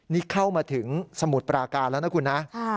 นี่เข้ามาถึงสมุทรปราการแล้วนะคุณนะ